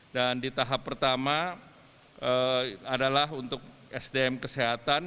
dan di tahap pertama adalah untuk sdm kesehatan